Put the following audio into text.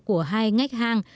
của hai ngách hàng